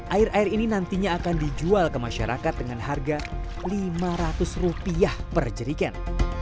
air air ini nantinya akan dijual ke masyarakat dengan harga lima ratus rupiah per jeriken